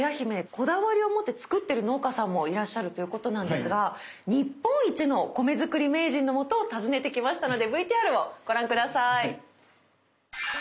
こだわりを持って作ってる農家さんもいらっしゃるということなんですが日本一の米作り名人のもとを訪ねてきましたのでＶＴＲをご覧下さい。